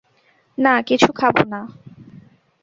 না, কিছু খাব না।